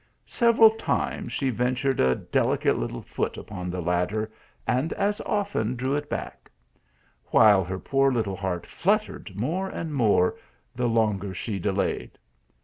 Several times she ventured a delicate little foot upon the ladder, and as often 152 THtf ALHAMBRA. drew it back ; while her poor little heart fluttered more and more the longer she delayed.